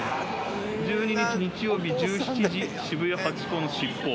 「１２日日曜日１７時渋谷ハチ公の尻尾は？」。